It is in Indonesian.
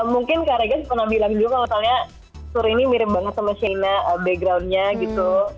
mungkin karyaga sih pernah bilang juga soalnya sur ini mirip banget sama senina backgroundnya gitu